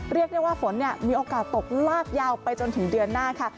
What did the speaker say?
เรียกได้ว่าฝนมีโอกาสตกลากยาวไปจนถึงเดือนหน้าค่ะ